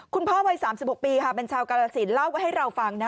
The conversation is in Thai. วัย๓๖ปีค่ะเป็นชาวกาลสินเล่าให้เราฟังนะ